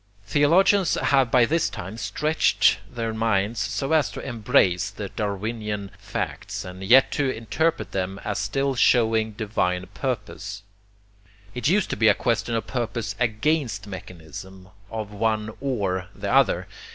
Theologians have by this time stretched their minds so as to embrace the darwinian facts, and yet to interpret them as still showing divine purpose. It used to be a question of purpose AGAINST mechanism, of one OR the other.